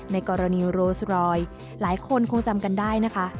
ในกรณีโรสรอยหลายคนคงจำกันได้นะคะ